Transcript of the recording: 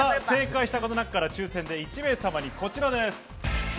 正解した方の中から抽選で１名様にこちらです。